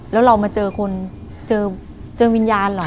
แล้วเรามาเจอคนเจอวิญญาณเหรอ